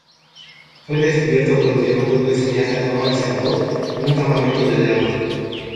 Fue descubierto por el dramaturgo y cineasta Román Chalbaud en un campamento de drama.